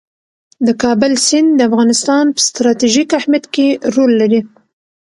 د کابل سیند د افغانستان په ستراتیژیک اهمیت کې رول لري.